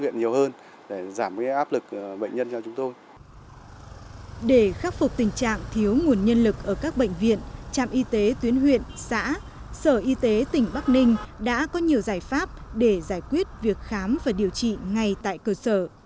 những nguồn nhân lực ở các bệnh viện trạm y tế tuyến huyện xã sở y tế tỉnh bắc ninh đã có nhiều giải pháp để giải quyết việc khám và điều trị ngay tại cơ sở